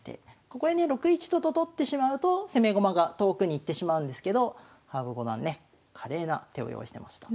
ここでね６一と金と取ってしまうと攻め駒が遠くに行ってしまうんですけど羽生五段ね華麗な手を用意してました。